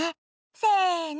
せの。